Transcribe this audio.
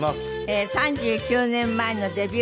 ３９年前のデビュー